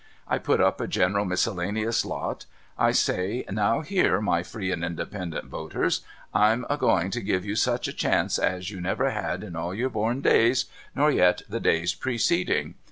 I put up a general miscellaneous lot. I say :' Now here, my free and inde pendent woters, I'm a going to give you such a chance as you never had in all your horn days, nor yet the days preceding.